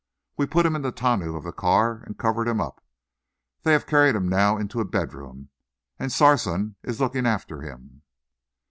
We put him in the tonneau of the car and covered him up. They have carried him now into a bedroom, and Sarson is looking after him."